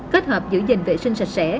kết hợp giữ gìn vệ sinh sạch sẽ